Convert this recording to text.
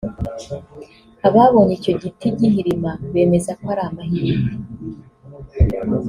Ababonye icyo giti gihirima bemeza ko ari amahirwe